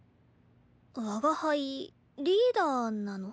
我が輩リーダーなの？